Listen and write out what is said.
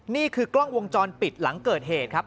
นี่คือกล้องวงจรปิดหลังเกิดเหตุครับ